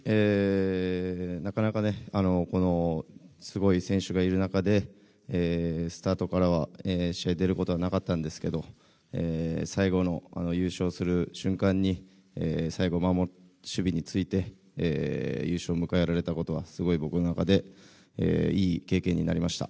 なかなかすごい選手がいる中でスタートからは試合に出ることがなかったんですけど最後の優勝する瞬間に最後、守備に就いて優勝を迎えられたことは僕の中ですごくいい経験になりました。